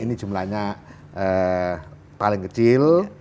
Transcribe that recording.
ini jumlahnya paling kecil